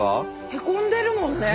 へこんでるもんね。